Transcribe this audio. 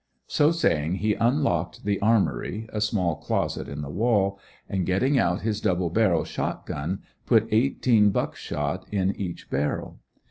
So saying he unlocked the armory, a small closet in the wall, and getting out his double barrel shot gun, put eighteen buck shot in each barrel.